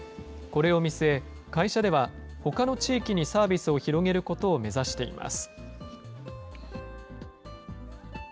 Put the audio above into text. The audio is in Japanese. これを見据え、会社ではほかの地域にサービスを広げることを目指しています。